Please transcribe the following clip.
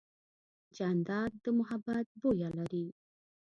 جانداد د محبت بویه لري.